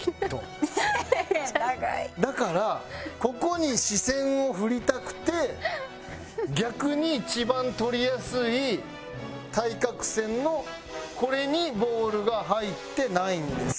だからここに視線を振りたくて逆に一番取りやすい対角線のこれにボールが入ってないんです。